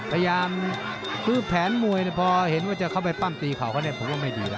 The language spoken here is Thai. พยายามคือแผนมวยพอเห็นว่าจะเข้าไปปั้มตีเขาก็เนี่ยผมว่าไม่ดีแล้ว